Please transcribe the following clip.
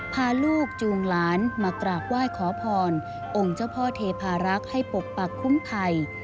พาลูกจูงหลานมากราบไหว้ขอพรองค์เจ้าพ่อเทพารักษ์ให้ปกปักคุ้มภัย